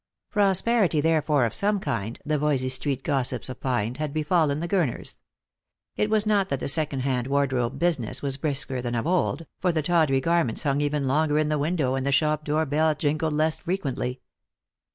Prosperity therefore of some kind, the Voysey street gossips opined, had befallen the Gurners. It was not that the second Lost for Love. 263 hand wardrobe business was brisker than of old, for the tawdry garments hung even longer in the window and the shop door bell jingled less frequently.